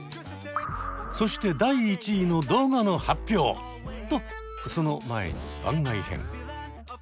そして第１位の動画の発表！とその前に番外編。